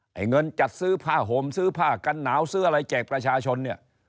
ไอ้เงินจัดซื้อผ้าห่มซื้อผ้ากันหนาวซื้ออะไรแจกประชาชนเนี่ย